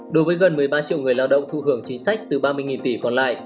đối với gần một mươi ba triệu người lao động thu hưởng chính sách từ ba mươi tỷ còn lại